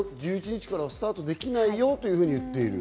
１１日からスタートできないよと言っている。